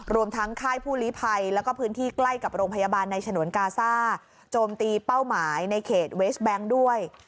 รวมทั้งค่ายผู้ลีภัยแล้วก็พื้นที่ใกล้กับโรงพยาบาลในฉนวนกาซ่าโจมตีเป้าหมายในเขตเวสแบงค์ด้วย